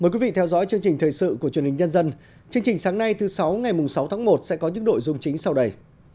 chương trình sáng nay thứ sáu ngày sáu tháng một sẽ có những đội dung chính sau đây